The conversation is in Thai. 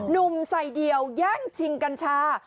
หนุ่มใส่เดี่ยวย่างชิงกัญชา